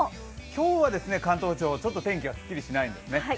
今日は関東地方、ちょっと天気がすっきりしないですね。